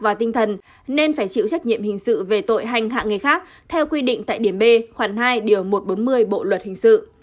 và tinh thần nên phải chịu trách nhiệm hình sự về tội hành hạ người khác theo quy định tại điểm b khoảng hai điều một trăm bốn mươi bộ luật hình sự